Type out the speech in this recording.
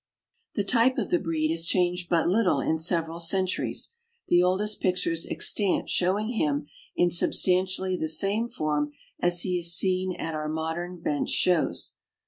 The type of the breed has changed but little in several centuries, the oldest pictures extant showing him in sub stantially the same form as he is seen at our modern bench shows.